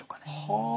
はあ。